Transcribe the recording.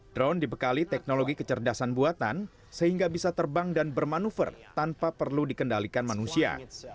drone dibekali teknologi kecerdasan buatan sehingga bisa terbang dan bermanuver tanpa perlu dikendalikan manusia